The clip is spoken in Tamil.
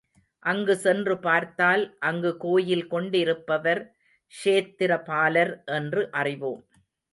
அங்கு சென்று பார்த்தால் அங்கு கோயில் கொண்டிருப்பவர் க்ஷேத்திரபாலர் என்று அறிவோம்.